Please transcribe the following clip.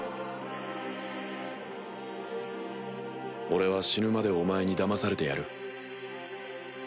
俺は死ぬまでお前にだまされてやる。